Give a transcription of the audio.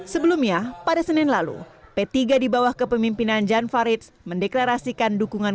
sebelumnya pada senin lalu p tiga di bawah kepemimpinan jan farids mendeklarasikan dukungan